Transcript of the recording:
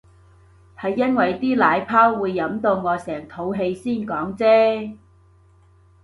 係因為啲奶泡會飲到我成肚氣先講啫